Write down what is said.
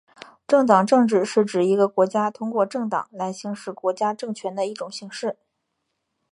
政党政治是指一个国家通过政党来行使国家政权的一种形式。